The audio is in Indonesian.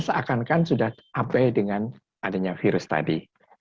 seakan akan sudah up to date dengan adanya virus tadi